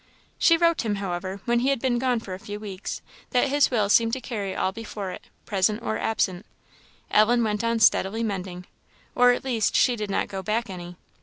She wrote, him, however, when he had been gone a few weeks, that his will seemed to carry all before it, present or absent. Ellen went on steadily mending at least she did not go back any.